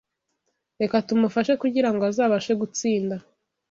Reka tumufashe kugirango azabashe gutsinda